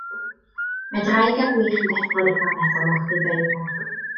Mae Draig a Gwich yn deffro yn y fforest dan orchudd o eira.